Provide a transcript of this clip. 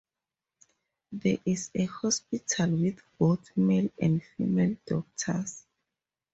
There is a hospital with both male and female doctors.